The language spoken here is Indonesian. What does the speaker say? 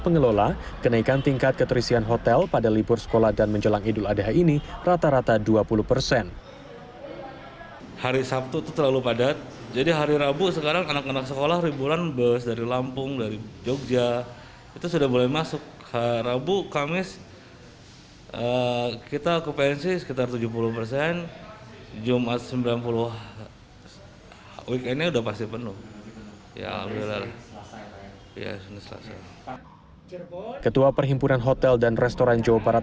weekendnya udah pasti penuh ya ya ya ketua perhimpunan hotel dan restoran jawa parat